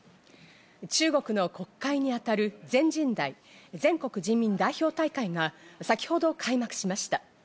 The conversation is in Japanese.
中国の国会に当たる全人代＝全国人民代表大会が先ほど開幕しました。